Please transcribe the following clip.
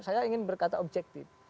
saya ingin berkata objektif